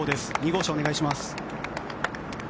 ２号車、お願いします。